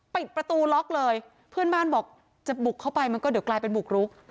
ปิดประตูล็อกเลยเพื่อนบ้านบอกจะบุกเข้าไปมันก็เดี๋ยวกลายเป็นบุกรุก